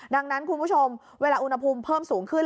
ดังนั้นคุณผู้ชมเวลาอุณหภูมิเพิ่มสูงขึ้น